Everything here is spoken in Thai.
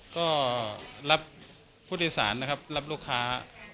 ก็รับผู้โดยสารนะครับรับลูกค้า